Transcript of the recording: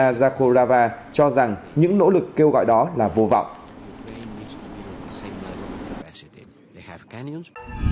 nga zakolava cho rằng những nỗ lực kêu gọi đó là vô vọng